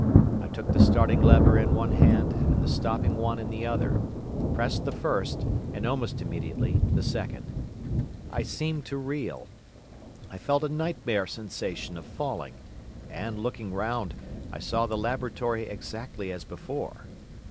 I took the starting lever in one hand and the stopping one in the other, pressed the first, and almost immediately the second. I seemed to reel; I felt a nightmare sensation of falling; and, looking round, I saw the laboratory exactly as before.